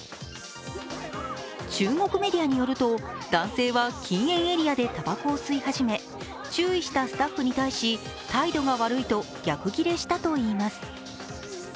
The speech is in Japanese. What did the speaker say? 中国メディアによると男性は禁煙エリアでたばこを吸い始め注意したスタッフに対し態度が悪いと逆ギレしたといいます。